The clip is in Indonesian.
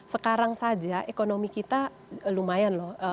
sekarang saja ekonomi kita lumayan loh